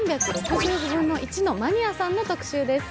３６５分の１のマニアさん」の特集です。